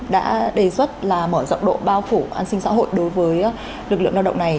đã đề xuất là mở rộng độ bao phủ an sinh xã hội đối với lực lượng lao động này